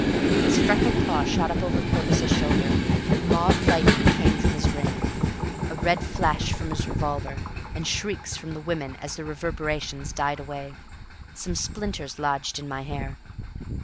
His freckled paw shot up over Purvis's shoulder, mauve lightning came from his ring, a red flash from his revolver, and shrieks from the women as the reverberations died away. Some splinters lodged in my hair.